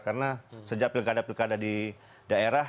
karena sejak pilihan pilihan ada di daerah